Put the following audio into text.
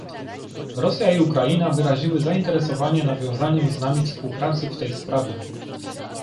Rosja i Ukraina wyraziły zainteresowanie nawiązaniem z nami współpracy w tej sprawie